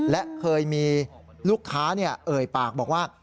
และเคยมีลูกค้าเอ่ยปากบอกว่า